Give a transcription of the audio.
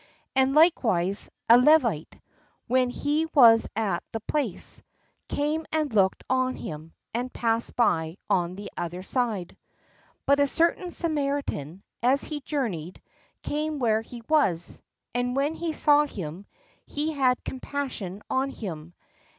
And likewise a Levite, when he was at the place, came and looked on him, and passed by on the other side. But a certain Samari tan, as he journeyed, came where he was : and when he saw him, he had com passion on him.